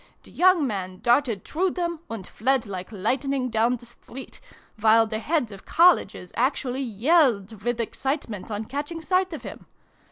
The young man darted through them, and fled like lightning down the street, while the Heads of Colleges actually yelled with excitement on catching sight of him